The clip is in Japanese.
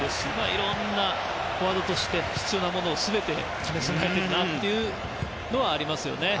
いろんなフォワードとして必要なものを全て兼ね備えているなというのはありますね。